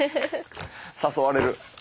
誘われる。